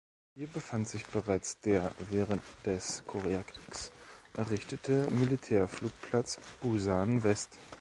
Hier befand sich bereits der während des Koreakriegs errichtete Militärflugplatz "Busan-West".